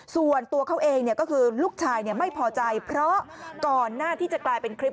ส่วนตัวเขาเองก็คือลูกชายไม่พอใจเพราะก่อนหน้าที่จะกลายเป็นคลิป